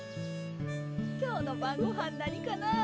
きょうのばんごはんなにかなあ。